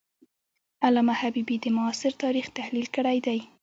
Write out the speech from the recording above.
علامه حبیبي د معاصر تاریخ تحلیل کړی دی.